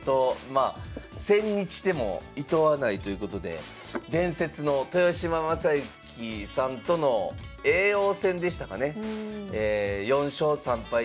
まあ千日手もいとわないということで伝説の豊島将之さんとの叡王戦でしたかね「４勝３敗